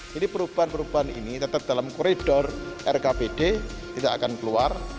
jadi perubahan perubahan ini tetap dalam koridor rkpd tidak akan keluar